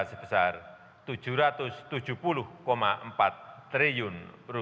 sebesar rp tujuh ratus tujuh puluh empat triliun